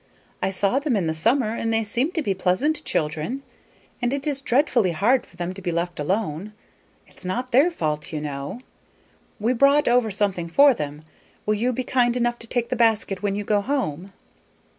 "I saw them in the summer, and they seemed to be pleasant children, and it is dreadfully hard for them to be left alone. It's not their fault, you know. We brought over something for them; will you be kind enough to take the basket when you go home?"